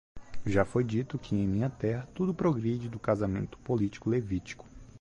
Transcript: Já foi dito que em minha terra tudo progride do casamento político levítico.